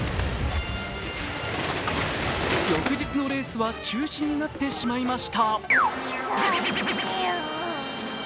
翌日のレースは中止になってしまいました。